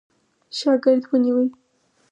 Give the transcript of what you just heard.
شاګرد ونیوی.